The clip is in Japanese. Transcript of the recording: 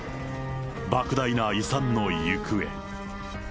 ばく大な遺産の行方。